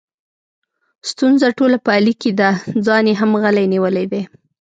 ستونزه ټوله په علي کې ده، ځان یې هم غلی نیولی دی.